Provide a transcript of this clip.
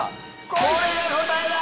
これが答えだ！